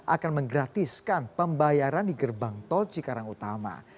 akan menggratiskan pembayaran di gerbang tol cikarang utama